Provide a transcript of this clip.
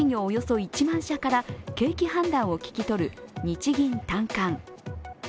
およそ１万社から景気判断を聞き取る日銀短観。